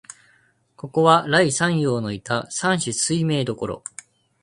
ここは、頼山陽のいた山紫水明処、